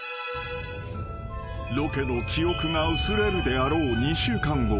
［ロケの記憶が薄れるであろう２週間後］